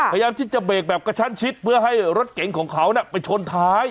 พยายามที่จะเบรกแบบกระชั้นชิดเพื่อให้รถเก๋งของเขาไปชนท้าย